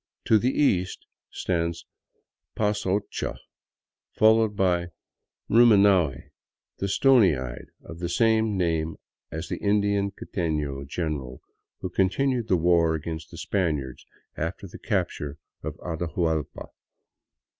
To the east stands Pasochoa, close followed by Rumifiaui, the " Stony Eyed," of the same name as the Inca quitefio general who con tinued the war against the Spaniards after the capture of Atahuallpa.